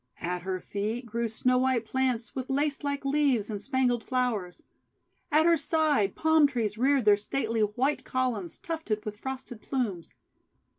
At her feet grew snow white plants with lace like leaves and spangled flowers. At her side Palm Trees reared their stately white columns tufted with frosted plumes.